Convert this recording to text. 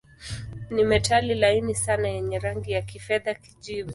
Ni metali laini sana yenye rangi ya kifedha-kijivu.